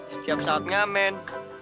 setiap saat nyamen